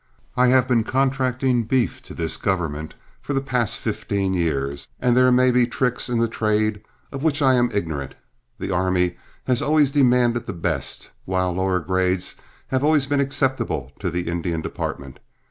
I have been contracting beef to this government for the past fifteen years, and there may be tricks in the trade of which I am ignorant. The army has always demanded the best, while lower grades have always been acceptable to the Indian Department.